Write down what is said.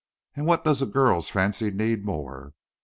And what does a girl's fancy need more?